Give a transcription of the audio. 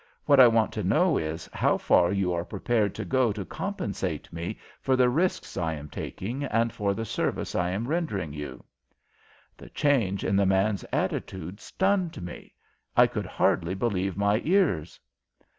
What I want to know is how far you are prepared to go to compensate me for the risks I am taking and for the service I am rendering you." The change in the man's attitude stunned me. I could hardly believe my ears.